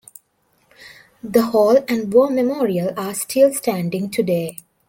The Hall and war memorial are still standing today.